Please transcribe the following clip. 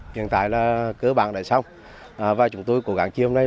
hiện tại là cơ bản đã xong và chúng tôi cố gắng chiê hôm nay